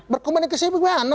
berkomunikasi ke mana